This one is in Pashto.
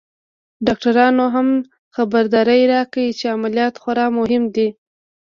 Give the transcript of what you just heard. ډاکترانو هم خبرداری راکړ چې عمليات خورا مهم دی.